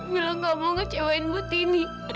bilang gak mau ngecewain butini